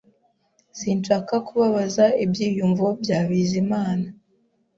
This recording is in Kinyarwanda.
Sinshaka kubabaza ibyiyumvo bya Bizimana